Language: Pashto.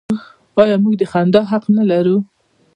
آیا موږ د خندا حق نلرو؟